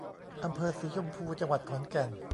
อำเภอสีชมพู จังหวัดขอนแก่น